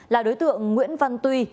là đối tượng nguyễn văn tuy